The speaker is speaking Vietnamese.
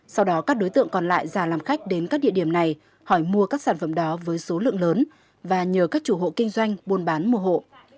sau đó các đối tượng còn lại ra làm khách đến các địa điểm này hỏi mua các sản phẩm đó với số lượng lớn và nhờ các chủ hộ kinh doanh buôn bán mùa hộ